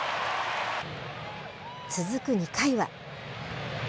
続く２回は。